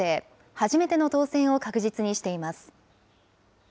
初めての当選を確実にしています。